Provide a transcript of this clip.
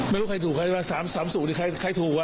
ไม่รู้ใครถูกร้ามสูงที่ใครถูกวะ